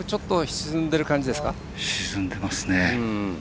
沈んでますね。